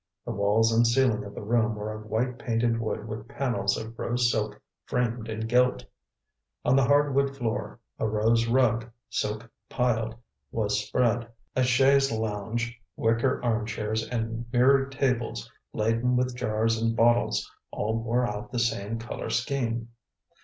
The walls and ceiling of the room were of white painted wood with panels of rose silk framed in gilt. On the hardwood floor, a rose rug, silk piled, was spread. A chaise lounge, wicker arm chairs and mirrored tables laden with jars and bottles all bore out the same color scheme.